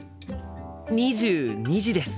２２時です！